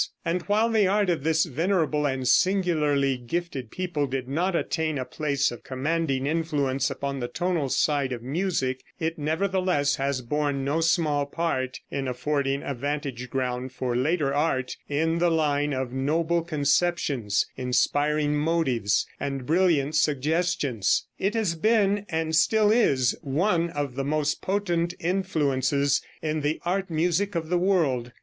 And while the art of this venerable and singularly gifted people did not attain a place of commanding influence upon the tonal side of music, it nevertheless has borne no small part in affording a vantage ground for later art in the line of noble conceptions, inspiring motives and brilliant suggestions. It has been, and still is, one of the most potent influences in the art music of the world.